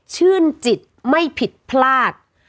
ชื่นจิตไม่ผิดพลาด